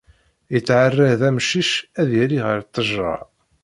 Yettεaraḍ umcic ad yali ɣer ttejra.